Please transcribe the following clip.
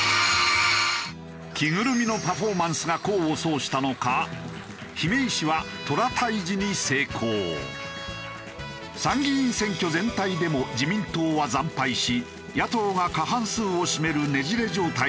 着ぐるみのパフォーマンスが功を奏したのか参議院選挙全体でも自民党は惨敗し野党が過半数を占めるねじれ状態となった。